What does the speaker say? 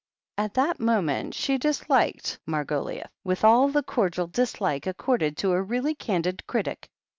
At that moment she disliked Margoliouth with all the cordial dislike accorded to a really candid critic.